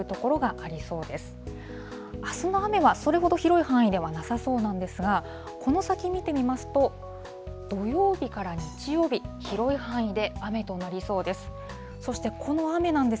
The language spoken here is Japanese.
あすの雨はそれほど広い範囲ではなさそうなんですが、この先見てみますと、土曜日から日曜日、広い範囲で雨となりそうです。